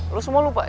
lo semua lupa ya